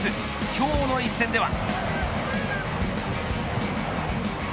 今日の一戦では。